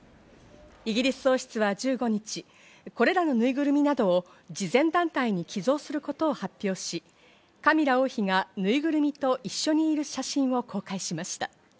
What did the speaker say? イギリス王室は１５日、これらのぬいぐるみなどを慈善団体に寄贈することを発表し、カミラ王妃がぬいぐるみと一緒にいる写真を公開しました。